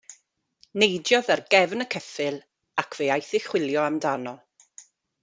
Neidiodd ar gefn y ceffyl, ac fe aeth i chwilio amdano.